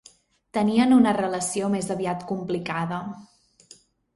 Tenien una relació més aviat complicada.